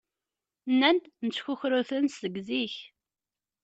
Nnan-d nettkukru-ten seg zik.